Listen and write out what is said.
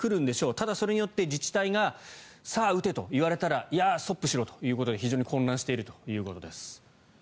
ただ、それによって自治体がさあ打てと言われたらストップしろということで非常に混乱しているということです。